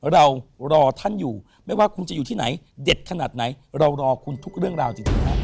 รอท่านอยู่ไม่ว่าคุณจะอยู่ที่ไหนเด็ดขนาดไหนเรารอคุณทุกเรื่องราวจริงครับ